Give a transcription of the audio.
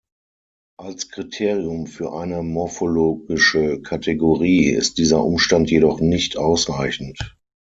Als Kriterium für eine morphologische Kategorie ist dieser Umstand jedoch nicht ausreichend.